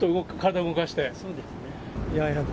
そうですね。